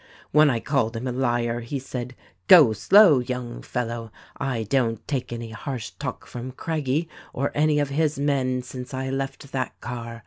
When I called him a liar he said, 'Go slow young fellow ! I don't take any harsh talk from Craggie or any of his men since I left that car.